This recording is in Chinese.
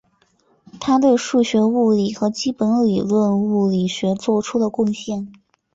他对数学物理和基本理论物理学做出了贡献。